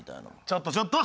ちょっとちょっと！